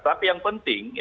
tapi yang penting